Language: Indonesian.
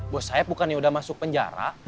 bos saya bukan yang udah masuk penjara